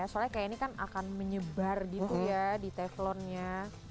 soalnya kayak ini kan akan menyebar gitu ya di teflonnya